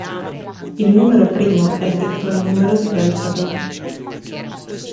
Il numero primo è detto Numero di Belfagor.